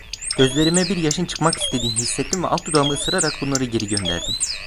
Gözlerime bir yaşın çıkmak istediğini hissettim ve alt dudağımı ısırarak bunları geri gönderdim.